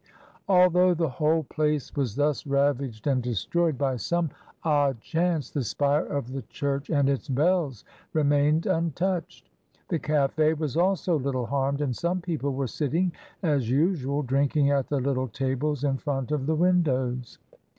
Although the whole place was thus ravaged and destroyed, by some odd 200 MRS. DYMOND. chance the spire of the church and its bells re mained untouched. The caf(£ was also little harmed, and some people were sitting as usual drinking at the little tables in front of the windows.